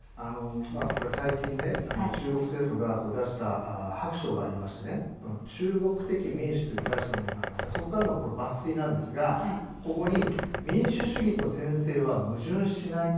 最近ね、中国政府が出した、白書がありまして「中国的民主」と題したもので、抜粋なんですがここに、「民主主義と専制は矛盾しないと」